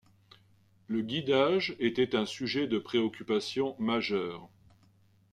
Le guidage était un sujet de préoccupation majeur.